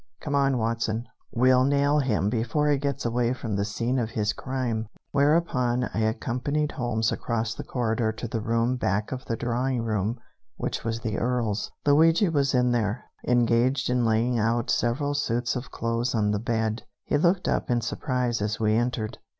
Come on, Watson, we'll nail him before he gets away from the scene of his crime." Whereupon I accompanied Holmes across the corridor to the room back of the drawing room, which was the Earl's. Luigi was in there, engaged in laying out several suits of clothes on the bed. He looked up in surprise as we entered.